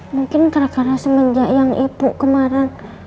mungkin karena semenjak yang ibu kemarin